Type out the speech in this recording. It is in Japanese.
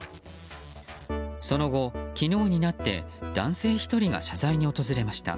その後、昨日になって男性１人が謝罪に訪れました。